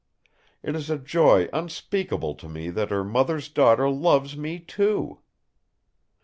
It is a joy unspeakable to me that her mother's daughter loves me too!"